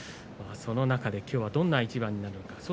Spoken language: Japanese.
その中で、きょうはどんな一番になるか。